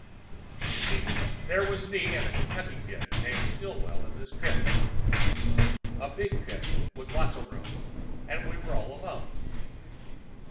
You see, there was me and a Kentucky kid named Stillwell in this pit a pretty big pit with lots of room and we were all alone.